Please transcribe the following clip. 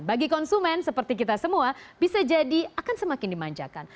bagi konsumen seperti kita semua bisa jadi akan semakin dimanjakan